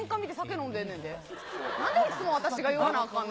なんでいつも私が言わなあかんの。